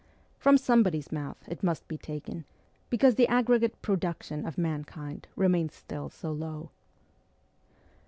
From somebody's mouth it must be taken, because the aggregate production of mankind remains still so low.